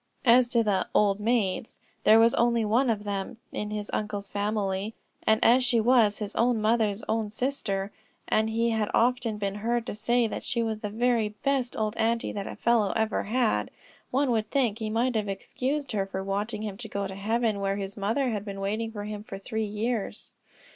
As to the "old maids" there was only one of them in his uncle's family, and as she was his own mother's own sister, and he had often been heard to say that she was the very best old aunty that a fellow ever had, one would think he might have excused her for wanting him to go to heaven where his mother had been waiting for him for three years.